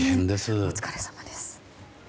お疲れさまです。